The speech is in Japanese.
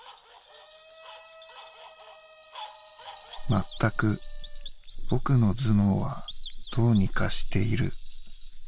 「全く僕の頭脳はどうにかしている。